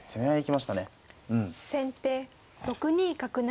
先手６二角成。